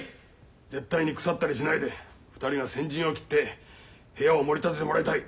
絶対にくさったりしないで２人が先陣を切って部屋をもり立ててもらいたい。